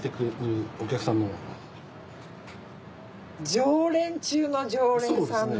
常連中の常連さんの。